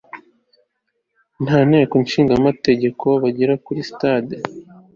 ku nteko ishinga amategeko bagera kuri stade